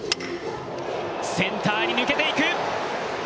センターに抜けていく！